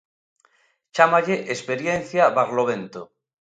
Chámalle "experiencia Barlovento".